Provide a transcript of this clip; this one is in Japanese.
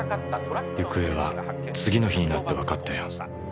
行方は次の日になってわかったよ。